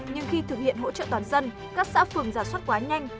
nhưng khi thực hiện hỗ trợ toàn dân các xã phường giả soát quá nhanh